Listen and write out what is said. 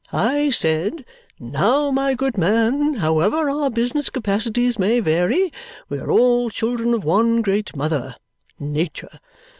I said, 'Now, my good man, however our business capacities may vary, we are all children of one great mother, Nature.